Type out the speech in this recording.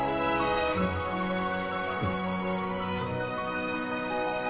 うん。